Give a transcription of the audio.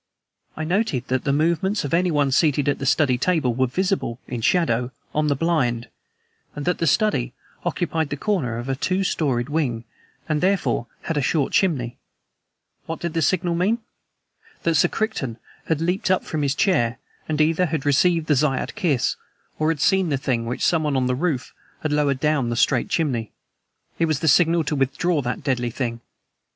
I noted that the movements of anyone seated at the study table were visible, in shadow, on the blind, and that the study occupied the corner of a two storied wing and, therefore, had a short chimney. What did the signal mean? That Sir Crichton had leaped up from his chair, and either had received the Zayat Kiss or had seen the thing which someone on the roof had lowered down the straight chimney. It was the signal to withdraw that deadly thing.